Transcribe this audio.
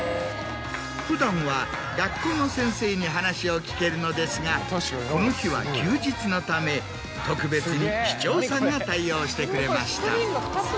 普段は学校の先生に話を聞けるのですがこの日は休日のため特別に市長さんが対応してくれました。